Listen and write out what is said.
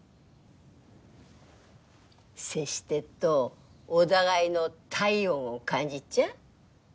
接してっとお互いの体温を感じっちゃ？